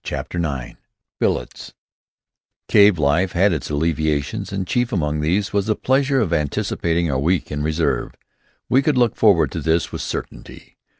CHAPTER IX BILLETS Cave life had its alleviations, and chief among these was the pleasure of anticipating our week in reserve. We could look forward to this with certainty.